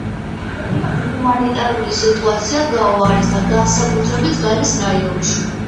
რეგიონში ჰუმანიტარული სიტუაცია გაუარესდა, განსაკუთრებით გალის რაიონში.